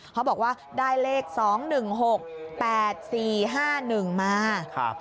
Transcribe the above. เขาบอกว่าได้เลข๒๑๖๘๔๕๑มา